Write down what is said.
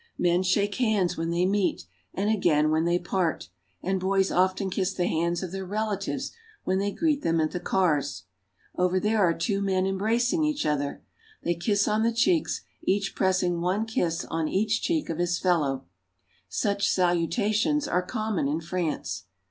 Men shake hands when they meet, and again when they part, and boys often kiss the hands of their relatives when they greet them at the cars. Over there are two men embrac ing each other. They kiss on the cheeks, each pressing one kiss on each cheek of his fellow. Such salutations are common in France.